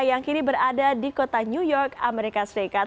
yang kini berada di kota new york amerika serikat